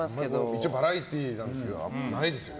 一応バラエティーなんですけどないですよね。